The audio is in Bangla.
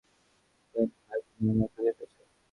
ডেনহাই, তুমি আমায় খুঁজে পেয়েছ।